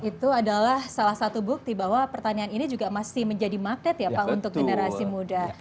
itu adalah salah satu bukti bahwa pertanian ini juga masih menjadi magnet ya pak untuk generasi muda